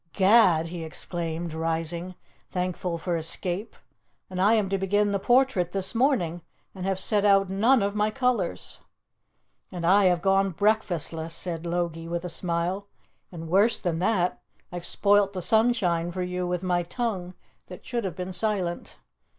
"Gad!" he exclaimed, rising, thankful for escape, "and I am to begin the portrait this morning, and have set out none of my colours!" "And I have gone breakfastless," said Logie with a smile, "and worse than that, I have spoilt the sunshine for you with my tongue, that should have been silent."